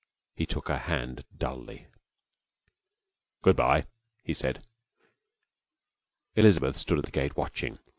He took her hand dully. 'Good bye,' he said. Elizabeth stood at the gate, watching.